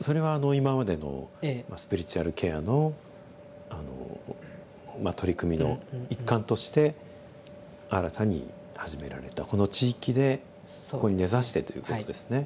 それは今までのスピリチュアルケアの取り組みの一環として新たに始められたこの地域でここに根ざしてということですね。